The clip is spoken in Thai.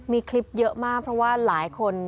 มีคลิปเยอะมากเพราะว่าหลายคน